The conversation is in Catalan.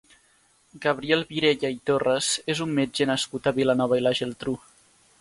Gabriel Virella i Torras és un metge nascut a Vilanova i la Geltrú.